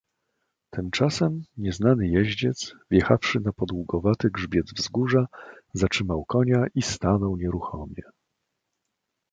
"Tymczasem nieznany jeździec, wjechawszy na podługowaty grzbiet wzgórza, zatrzymał konia i stanął nieruchomie."